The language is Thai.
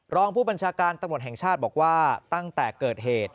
รองผู้บัญชาการตำรวจแห่งชาติบอกว่าตั้งแต่เกิดเหตุ